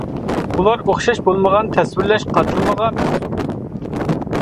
ئۇلار ئوخشاش بولمىغان تەسۋىرلەش قاتلىمىغا مەنسۇپ.